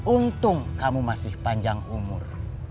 untung kamu masih panjang umur